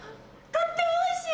とってもおいしい！